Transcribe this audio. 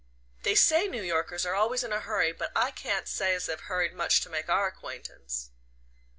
They say New Yorkers are always in a hurry; but I can't say as they've hurried much to make our acquaintance."